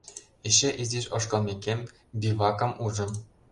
Эше изиш ошкылмекем, бивакым ужым.